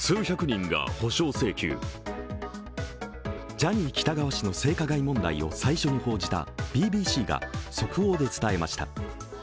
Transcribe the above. ジャニー喜多川氏の性加害問題を最初に報じたＢＢＣが速報で伝えました。